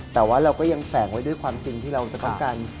แต่ว่าเราก็ยังแฝงไว้ด้วยความจริงที่เราจะต้องการ